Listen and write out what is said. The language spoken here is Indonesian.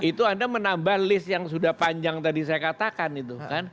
itu anda menambah list yang sudah panjang tadi saya katakan itu kan